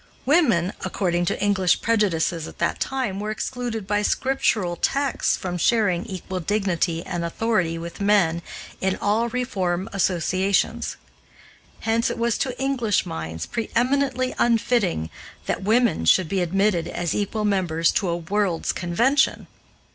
Women, according to English prejudices at that time, were excluded by Scriptural texts from sharing equal dignity and authority with men in all reform associations; hence it was to English minds pre eminently unfitting that women should be admitted as equal members to a World's Convention.